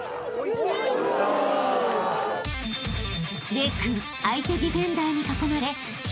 ［玲君相手ディフェンダーに囲まれ］